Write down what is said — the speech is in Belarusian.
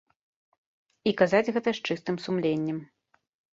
І казаць гэта з чыстым сумленнем.